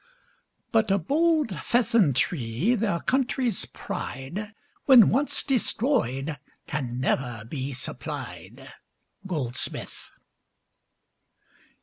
But a bold pheasantry, their country's pride When once destroyed can never be supplied. GOLDSMITH.